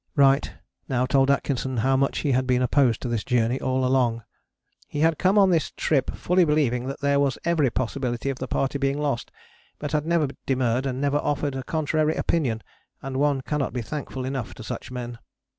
Wright now told Atkinson how much he had been opposed to this journey all along: "he had come on this trip fully believing that there was every possibility of the party being lost, but had never demurred and never offered a contrary opinion, and one cannot be thankful enough to such men."